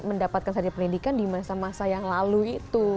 mendapatkan saja pendidikan di masa masa yang lalu itu